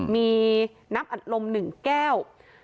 มีน้ำอัดลม๑แก้ว